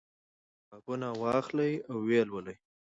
کتابونه واخلئ او ویې لولئ.